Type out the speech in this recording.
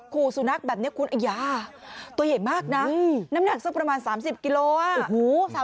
ขู่สุนัขแบบนี้คุณไอ้ยาตัวใหญ่มากนะน้ำหนักสักประมาณ๓๐กิโลอ่ะ